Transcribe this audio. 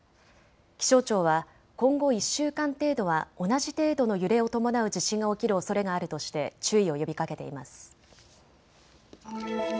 気象庁は今後１週間程度は同じ程度の揺れを伴う地震が起きるおそれがあるとして注意を呼びかけています。